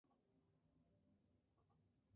Ni soy un mecenas ni me lleno de plata".